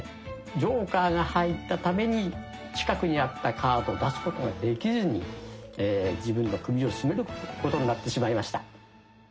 ジョーカーが入ったために近くにあったカードを出すことができずに自分の首を絞めることになってしまいました。